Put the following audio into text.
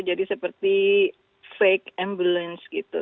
jadi seperti ambulans palsu gitu